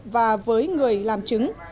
và với người làm chứng